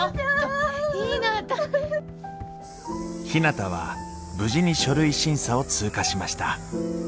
ひなたは無事に書類審査を通過しました。